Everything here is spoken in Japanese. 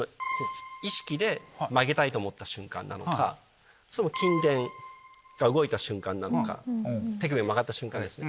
意識で曲げたいと思った瞬間なのか筋電が動いた瞬間なのか手首が曲がった瞬間ですね。